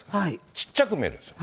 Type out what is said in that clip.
ちっちゃく見えるんですよ。